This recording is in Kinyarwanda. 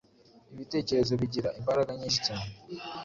Ibitekerezo bigira imbaraga nyinshi cyanee